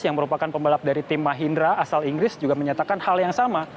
yang merupakan pembalap dari tim mahindra asal inggris juga menyatakan hal yang sama